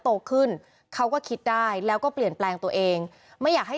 โตขึ้นเขาก็คิดได้แล้วก็เปลี่ยนแปลงตัวเองไม่อยากให้